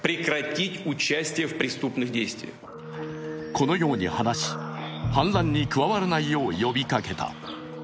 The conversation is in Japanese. このように話し、反乱に加わらないよう呼びかけた。